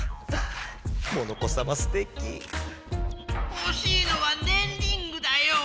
ほしいのはねんリングだよ！